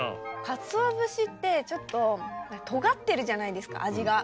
かつお節ってちょっととがってるじゃないですか味が。